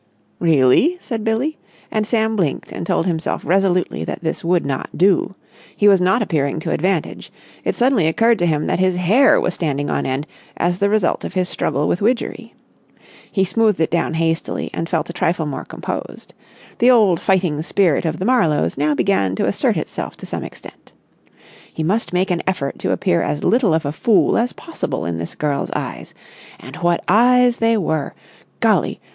"Really?" said Billie, and Sam blinked and told himself resolutely that this would not do. He was not appearing to advantage. It suddenly occurred to him that his hair was standing on end as the result of his struggle with Widgery. He smoothed it down hastily, and felt a trifle more composed. The old fighting spirit of the Marlowes now began to assert itself to some extent. He must make an effort to appear as little of a fool as possible in this girl's eyes. And what eyes they were! Golly!